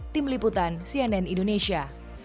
tim liputan cnn indonesia